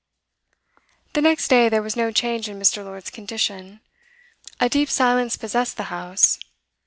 The next day there was no change in Mr. Lord's condition; a deep silence possessed the house.